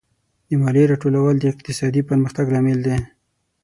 د مالیې راټولول د اقتصادي پرمختګ لامل دی.